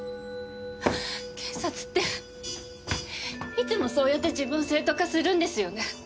警察っていつもそうやって自分を正当化するんですよね。